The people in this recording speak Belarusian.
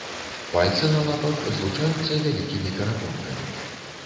Пальцы на лапах злучаюцца вялікімі перапонкамі.